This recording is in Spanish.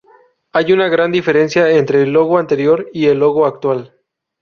Hay una gran diferencia entre el logo anterior y el logo actual.